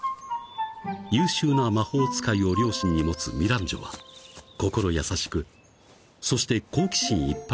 ［優秀な魔法使いを両親に持つミランジョは心優しくそして好奇心いっぱいの少女だった］